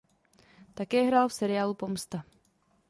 Také hrál v seriálu "Pomsta".